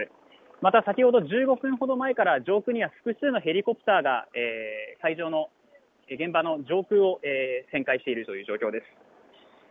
また先ほど１５分ほど前から上空には複数のヘリコプターが会場の現場の上空を旋回しているという状況です。